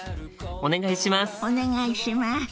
お願いします。